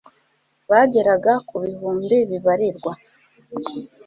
bageraga ku bihumbi bibarirwa